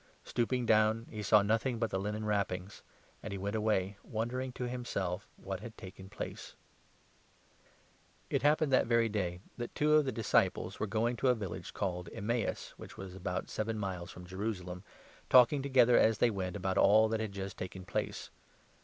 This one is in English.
Stooping down he 12 saw nothing but the linen wrappings, and he went away, wondering to himself at what had taken place.] jesus appears ^ happened that very day that two of the disci 13 on the road pies were going to a village called Emmaus, to Emmaus. which was about seven miles from Jerusalem, talking together, as they went, about all that had just taken 14 place.